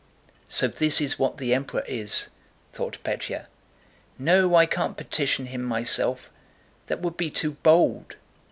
"So this is what the Emperor is!" thought Pétya. "No, I can't petition him myself—that would be too bold."